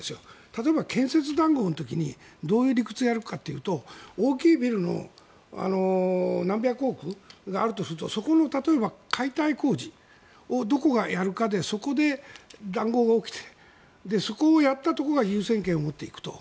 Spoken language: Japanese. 例えば建設談合の時にどういう理屈でやるかというと大きいビルの何百億があるとするとそこの例えば解体工事をどこがやるかでそこで談合が起きてそこをやったところが優先権を持っていくと。